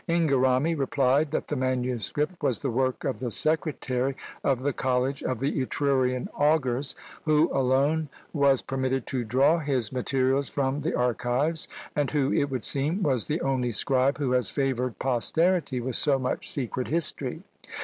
Inghirami replied that the manuscript was the work of the secretary of the college of the Etrurian augurs, who alone was permitted to draw his materials from the archives, and who, it would seem, was the only scribe who has favoured posterity with so much secret history.